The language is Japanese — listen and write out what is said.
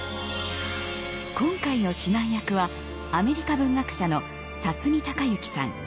今回の指南役はアメリカ文学者の孝之さん。